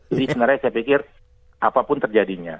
jadi sebenarnya saya pikir apapun terjadinya